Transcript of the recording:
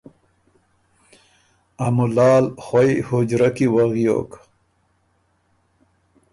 ا مُلال خوئ حُجرۀ کی وغیوک۔